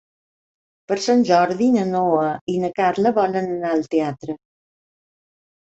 Per Sant Jordi na Noa i na Carla volen anar al teatre.